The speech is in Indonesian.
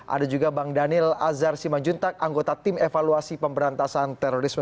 ada juga bang daniel azhar simanjuntak anggota tim evaluasi pemberantasan terorisme